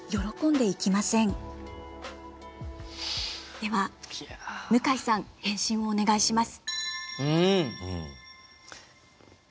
では向井さん返信をお願いします。